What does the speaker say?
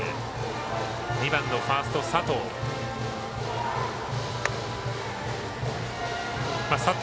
２番のファースト、佐藤。